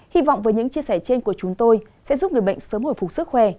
hy vọng với những chia sẻ trên của chúng tôi sẽ giúp người bệnh sớm hồi phục sức khỏe